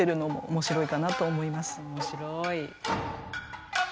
面白い。